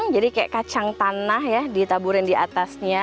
jadi kayak kacang tanah ya ditaburkan di atasnya